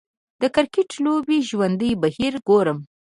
د کریکټ د لوبې ژوندی بهیر ګورم